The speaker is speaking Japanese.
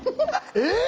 えっ⁉